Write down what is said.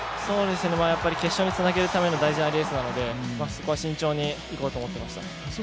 やっぱり決勝につなげるための大事なレースなので、そこは慎重にいこうと思っていました。